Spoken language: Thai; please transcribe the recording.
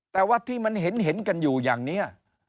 แต่ว่าที่มันเห็นกันอยู่อย่างนี้